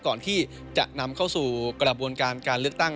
ก่อนที่จะนำเข้าสู่กระบวนการการเลือกตั้ง